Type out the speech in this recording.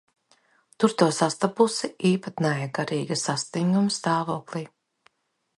Tur to sastapusi īpatnēja garīga sastinguma stāvoklī.